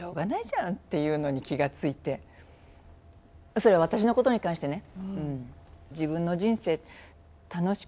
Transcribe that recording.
それは私のことに関してね。